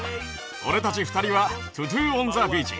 俺たち２人は「トゥトゥ・オン・ザ・ビーチ」。